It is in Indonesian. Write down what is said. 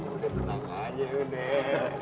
udah tenang aja udah